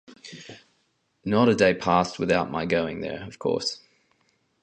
Not a day passed without my going there, of course.